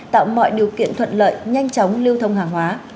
tạo mọi điều kiện thuận lợi nhanh chóng lưu thông hàng hóa